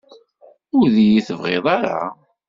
Ur d-iyi-tebɣiḍ ara?